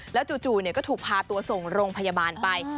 แล้วจู่ก็ถูกพาตัวส่งโรงพยาบาลไป